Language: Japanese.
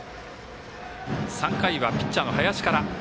３回はピッチャーの林から。